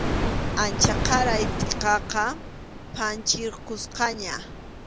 Achanqaray tʼikaqa phanchirqusqaña.